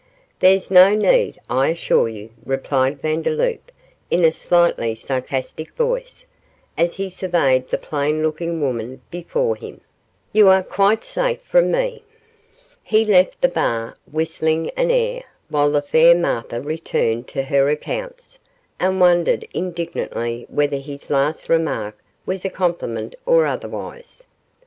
'There's no need, I assure you,' replied Vandeloup, in a slightly sarcastic voice, as he surveyed the plain looking woman before him; 'you are quite safe from me.' He left the bar, whistling an air, while the fair Martha returned to her accounts, and wondered indignantly whether his last remark was a compliment or otherwise.